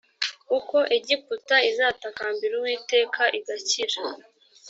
uko egiputa izatakambira uwiteka igakira